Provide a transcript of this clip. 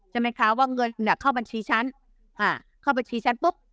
ใช่ไหมคะว่าเงินเนี่ยเข้าบัญชีฉันอ่าเข้าบัญชีฉันปุ๊บ